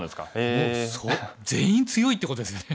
もう全員強いってことですよね。